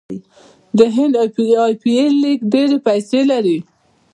د هند ای پي ایل لیګ ډیرې پیسې لري.